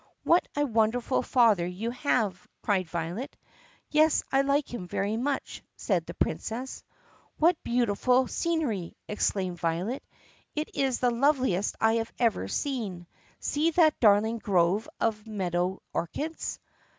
"What a wonderful father you have!" cried Violet. "Yes, I like him very much," said the Princess. "What beautiful scenery!" exclaimed Violet. "It is the loveliest I have ever seen. See that darling grove of meadow orchids."